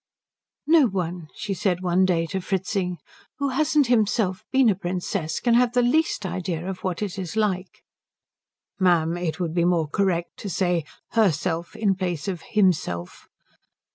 "No one," she said one day to Fritzing, "who hasn't himself been a princess can have the least idea of what it is like." "Ma'am, it would be more correct to say herself in place of himself."